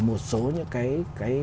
một số những cái